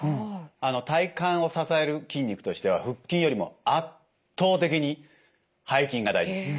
体幹を支える筋肉としては腹筋よりも圧倒的に背筋が大事です。